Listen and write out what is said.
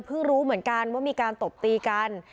รู้เหมือนกันว่ามีการตบตีกัน